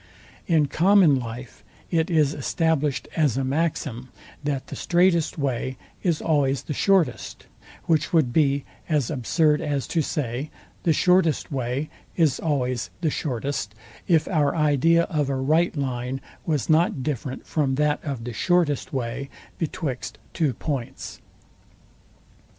In common life it is established as a maxim, that the straightest way is always the shortest; which would be as absurd as to say, the shortest way is always the shortest, if our idea of a right line was not different from that of the shortest way betwixt two points.